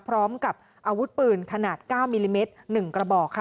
พร้อมกับอาวุธปืนขนาด๙มิลลิเมตร๑กระบอกค่ะ